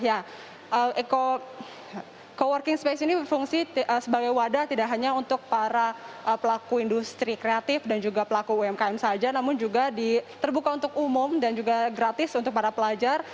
ya co working space ini berfungsi sebagai wadah tidak hanya untuk para pelaku industri kreatif dan juga pelaku umkm saja namun juga terbuka untuk umum dan juga gratis untuk para pelajar